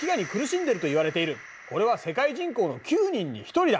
これは世界人口の９人に１人だ。